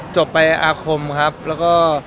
จบไปอาคมครับแล้วก็